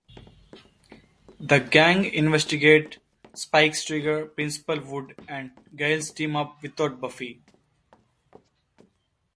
The gang investigates Spike's trigger; Principal Wood and Giles team up without Buffy.